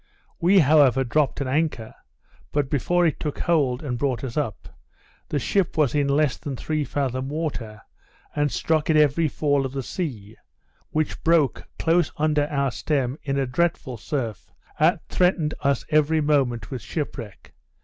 We, however, dropt an anchor; but, before it took hold, and brought us up, the ship was in less than three fathom water, and struck at every fall of the sea, which broke close under our stem in a dreadful surf, and threatened us every moment with shipwreck.